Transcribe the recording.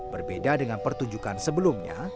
berbeda dengan pertunjukan sebelumnya